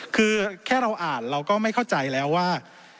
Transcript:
คือแค่เราอ่านเราก็ไม่เข้าใจแล้วว่า